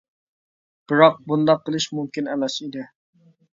بىراق بۇنداق قىلىش مۇمكىن ئەمەس ئىدى.